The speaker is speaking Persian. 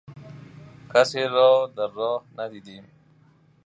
کسی را در راه ندیدیم.